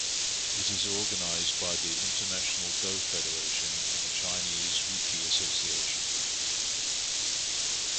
It is organized by the International Go Federation and the Chinese Weiqi Association.